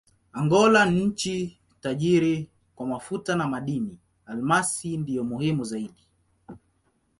Angola ni nchi tajiri kwa mafuta na madini: almasi ndiyo muhimu zaidi.